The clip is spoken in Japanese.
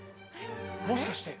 もしかして。